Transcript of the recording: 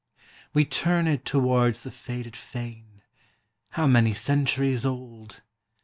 We turned towards the faded fane, How many centuries old